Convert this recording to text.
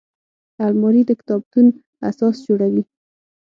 الماري د کتابتون اساس جوړوي